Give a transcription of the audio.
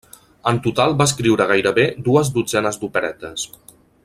En total va escriure gairebé dues dotzenes d'operetes.